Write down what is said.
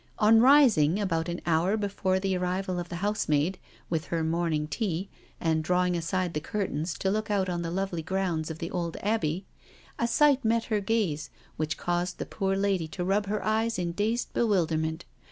On rising about an hour before the arrival of the housemaid with her morning tea, and drawing aside the curtains to look out on the lovely grounds of the old Abbey^ a sight met her gaze which caused the poor lady to rub her eyes in dazed bewilderment.